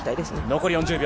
残り４０秒。